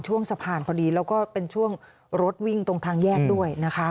วิ่งตรงทางแยกด้วยนะคะ